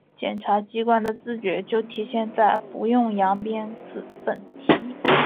检察机关的自觉就体现在‘不用扬鞭自奋蹄’